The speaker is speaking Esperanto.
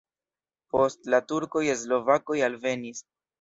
Post la turkoj slovakoj alvenis.